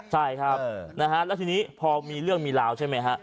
ใช่ครับนะฮะแล้วทีนี้พอมีเรื่องมีราวใช่ไหมฮะ